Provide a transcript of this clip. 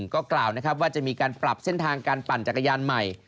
ก็กล่าวนะครับว่าจะมีการปรับเส้นทางการปั่นจักรยานใหม่